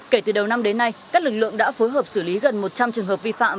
kể từ đầu năm đến nay các lực lượng đã phối hợp xử lý gần một trăm linh trường hợp vi phạm